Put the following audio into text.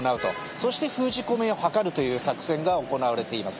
そして封じ込めを図るという作戦が行われています。